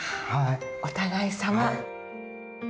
お互いさま。